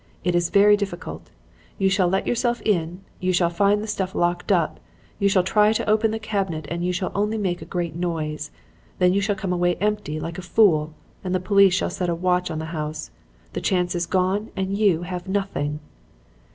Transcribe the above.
It is very difficult. You shall let yourself in, you shall find the stuff locked up, you shall try to open the cabinet and you shall only make a great noise. Then you shall come away empty, like a fool, and the police shall set a watch on the house. The chance is gone and you have nothing.'